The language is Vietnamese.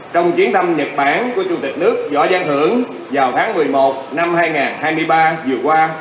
trong chuyến thăm nhật bản của chủ tịch nước võ giang hưởng vào tháng một mươi một năm hai nghìn hai mươi ba vừa qua